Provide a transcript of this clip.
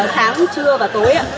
tháng trưa và tối